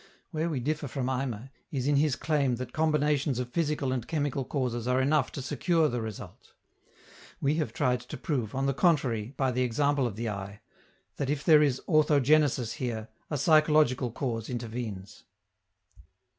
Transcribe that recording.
Where we differ from Eimer is in his claim that combinations of physical and chemical causes are enough to secure the result. We have tried to prove, on the contrary, by the example of the eye, that if there is "orthogenesis" here, a psychological cause intervenes.